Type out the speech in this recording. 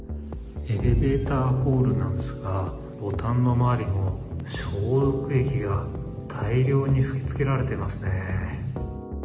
エレベーターホールなんですが、ボタンの周りには、消毒液が大量に吹きつけられてますね。